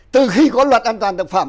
từ khi có luật an toàn thực phẩm